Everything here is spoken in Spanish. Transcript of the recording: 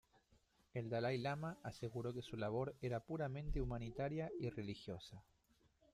El Dalái lama aseguró que su labor era puramente humanitaria y religiosa.